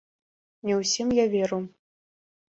Не ўсім я веру!